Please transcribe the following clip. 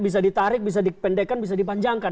bisa ditarik bisa dipendekkan bisa dipanjangkan